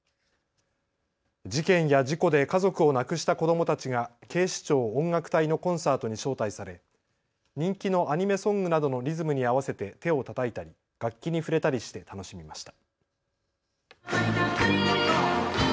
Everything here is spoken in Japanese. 事件や事故で家族を亡くした子どもたちが警視庁音楽隊のコンサートに招待され人気のアニメソングなどのリズムに合わせて手をたたいたり楽器に触れたりして楽しみました。